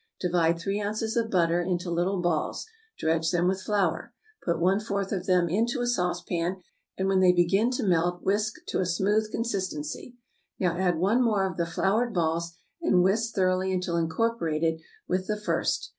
Divide three ounces of butter into little balls. Dredge them with flour. Put one fourth of them into a saucepan, and when they begin to melt, whisk to a smooth consistency. Now add one more of the floured balls, and whisk thoroughly until incorporated with the first.